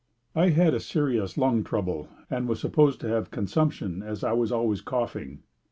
I had a serious lung trouble and was supposed to have consumption as I was always coughing.